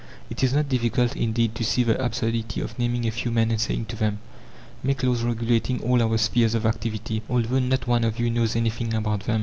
It is not difficult, indeed, to see the absurdity of naming a few men and saying to them, "Make laws regulating all our spheres of activity, although not one of you knows anything about them!"